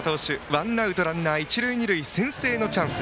ワンアウトランナー、一塁二塁先制のチャンス。